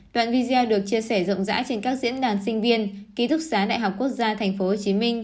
đoạn video được chia sẻ rộng rãi trên các diễn đàn sinh viên ký thức xá đại học quốc gia tp hcm